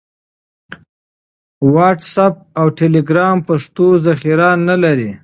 واټس اپ او ټیلیګرام پښتو ذخیره نه لري.